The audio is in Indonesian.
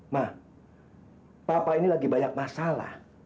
nah papa ini lagi banyak masalah